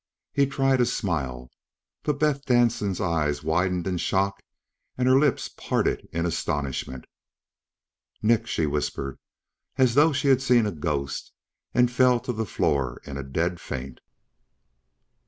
He tried a smile, but Beth Danson's eyes widened in shock and her lips parted in astonishment. "Nick," she whispered, as though she had seen a ghost, and fell to the floor in a dead faint.